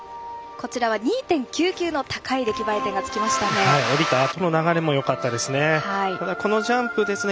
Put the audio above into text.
２．９９の高い出来栄え点がつきましたね。